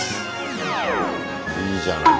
いいじゃない。